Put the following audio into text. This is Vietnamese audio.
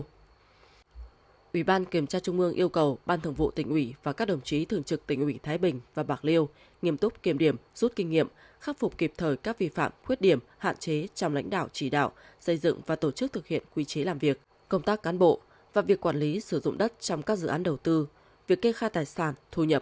ủy ban kiểm tra trung ương yêu cầu ban thường vụ tỉnh ủy và các đồng chí thường trực tỉnh ủy thái bình và bạc liêu nghiêm túc kiểm điểm rút kinh nghiệm khắc phục kịp thời các vi phạm khuyết điểm hạn chế trong lãnh đạo chỉ đạo xây dựng và tổ chức thực hiện quy chế làm việc công tác cán bộ và việc quản lý sử dụng đất trong các dự án đầu tư việc kê khai